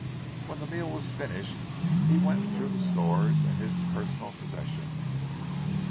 When the meal was finished, he went through the stores and his personal possessions.